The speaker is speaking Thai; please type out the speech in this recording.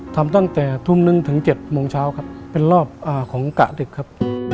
ทำตั้งแต่ทุ่มนึงถึง๗โมงเช้าครับเป็นรอบของกะดึกครับ